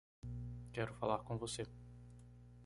Quero falar com você.